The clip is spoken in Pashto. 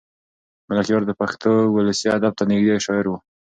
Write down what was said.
ملکیار د پښتو ولسي ادب ته نږدې شاعر و.